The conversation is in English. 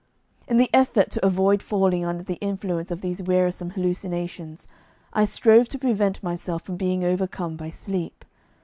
In the effort to avoid falling under the influence of these wearisome hallucinations, I strove to prevent myself from being overcome by sleep.